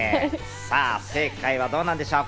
さぁ正解はどうなんでしょう。